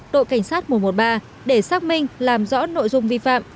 đội cảnh sát mùa một mươi ba để xác minh làm rõ nội dung vi phạm